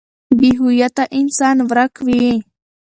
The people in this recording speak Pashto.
بې هويته انسان ورک وي.